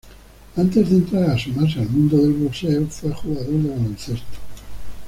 Antes de entrar a sumarse al mundo del boxeo fue jugador de baloncesto.